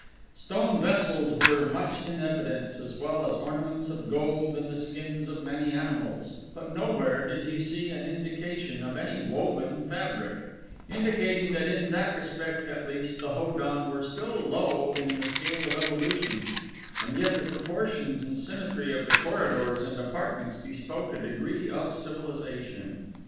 Stone vessels were much in evidence as well as ornaments of gold and the skins of many animals, but nowhere did he see an indication of any woven fabric, indicating that in that respect at least the Ho don were still low in the scale of evolution, and yet the proportions and symmetry of the corridors and apartments bespoke a degree of civilization.